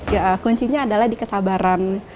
ya kuncinya adalah di kesabaran